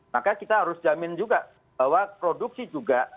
maka kita harus jamin juga bahwa produksi juga